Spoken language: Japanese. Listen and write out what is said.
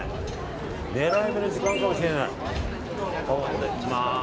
狙い目の時間かもしれない。